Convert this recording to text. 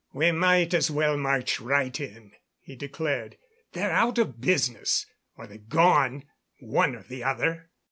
"We might as well march right in," he declared. "They're out of business, or they've gone one or the other."